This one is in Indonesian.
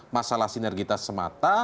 masalah sinergitas semata